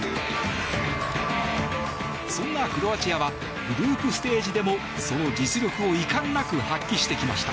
そんなクロアチアはグループステージでもその実力をいかんなく発揮してきました。